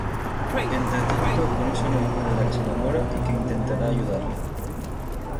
Entretanto, conoce a una mujer de la que se enamora y que intentará ayudarle.